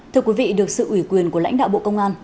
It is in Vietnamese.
thưa quý vị được sự ủy quyền của lãnh đạo bộ công an